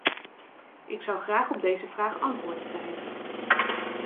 Ik zou graag op deze vraag antwoord krijgen.